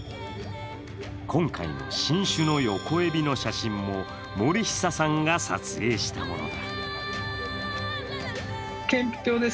今回の新種のヨコエビの写真も森久さんが撮影したものだ。